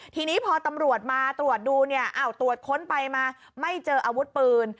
ทีนี้พอตำรวจมาตรวจดูเนี่ยอ้าวตรวจค้นไปมาไม่เจออาวุธปืน